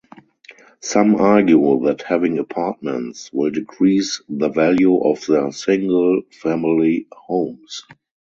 Some argue that having apartments will decrease the value of their single family homes.